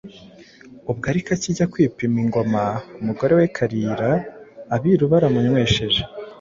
Ubwo ariko akijya kwima ingoma, umugore we Kalira abiru baramunywesheje